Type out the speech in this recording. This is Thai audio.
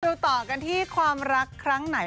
ดูต่อกันที่ความรักครั้งไหน